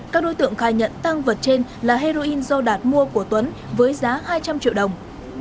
các đối tượng khai nhận tăng vật trên là heroin do đạt mua của tuấn với giá hai trăm linh triệu đồng